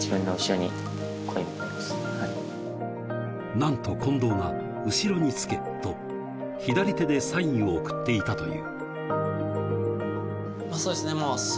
なんと近藤が後ろにつけと、左手でサインを送っていたという。